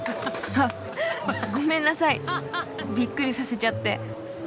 あっごめんなさいビックリさせちゃって。